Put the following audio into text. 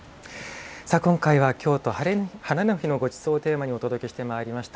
今回は京都「ハレの日のごちそう」をテーマにお届けしてまいりました。